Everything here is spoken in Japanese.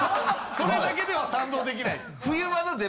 それだけでは賛同できないです。